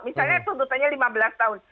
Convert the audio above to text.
misalnya tuntutannya lima belas tahun